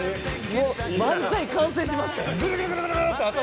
もう漫才完成しましたよ。